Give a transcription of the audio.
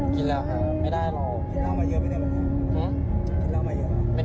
ทุบทำไม